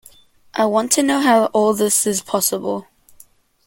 I want to know how all this is possible.